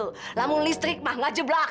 lamun listrik mah ngejeblak